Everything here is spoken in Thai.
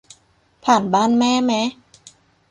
ผ่านบ้านแม่แมะ